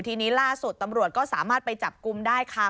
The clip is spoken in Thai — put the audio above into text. ทีนี้ล่าสุดตำรวจก็สามารถไปจับกลุ่มได้ค่ะ